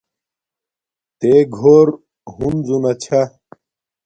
تے گھور ہنزو نا چھا